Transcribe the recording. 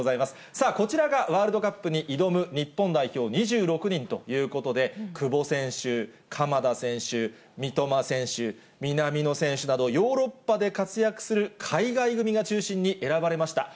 さあ、こちらがワールドカップに挑む日本代表２６人ということで、久保選手、鎌田選手、三笘選手、南野選手など、ヨーロッパで活躍する海外組が中心に選ばれました。